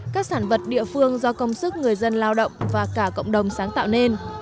các sản vật địa phương do công sức người dân lao động và cả cộng đồng sáng tạo nên